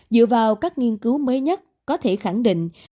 dựa vào các nghiên cứu mới nhất có thể khẳng định